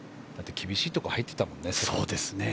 厳しいところに入っていたもんね。